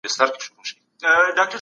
ماشومانو له لويانو څخه پوښتني کولي.